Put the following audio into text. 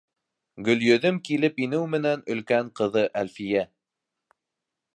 Гөлйөҙөм килеп инеү менән өлкән ҡыҙы Әлфиә: